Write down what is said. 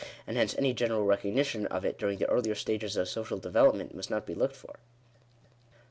And hence any general recognition of it during the earlier stages of social development must not be looked for. §8.